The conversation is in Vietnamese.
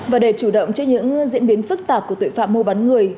và để chủ động trước những diễn biến phức tạp của tội phạm mua bán người